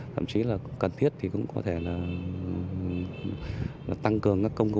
thậm chí là cần thiết thì cũng có thể tăng cường các công cụ